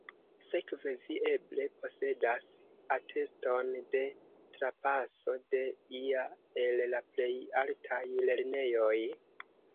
Sekve vi eble posedas ateston de trapaso de ia el la plej altaj lernejoj?